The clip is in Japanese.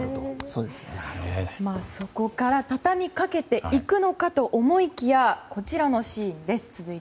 そこから畳みかけていくのかと思いきや続いては、こちらのシーンです。